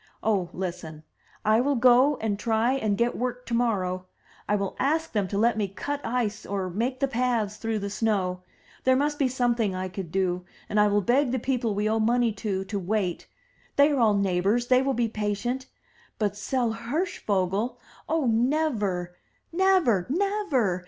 Oh, listen; I will go and try and get work tomorrow! I will ask them to let me cut ice or make the paths through the snow. There must be something I could do, and I will beg the people we owe money to to wait; they are all neighbors, they will be patient. But sell Hirschvogel! — oh, never! never! never!